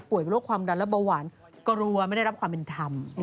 เป็นโรคความดันและเบาหวานกลัวไม่ได้รับความเป็นธรรม